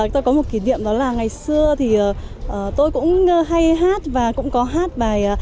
tôi có một kỷ niệm đó là ngày xưa thì tôi cũng hay hát và cũng có hát bài